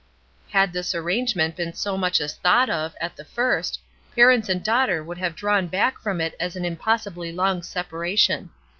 Had this arrangement been so much as thought of, at the first, parents and daughter would have drawn back from it as an impossibly long separa tion.